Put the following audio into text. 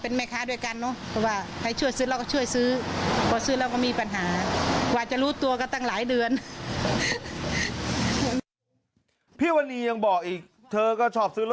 เก็บไว้งวดหนึ่งหนึ่งฉบับสองฉบับ